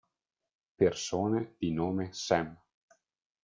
Persone di nome Sam